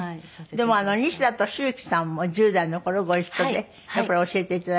でも西田敏行さんも１０代の頃ご一緒でやっぱり教えて頂いたんですって？